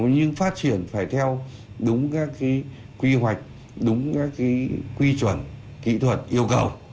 nhưng phát triển phải theo đúng các quy hoạch đúng các quy chuẩn kỹ thuật yêu cầu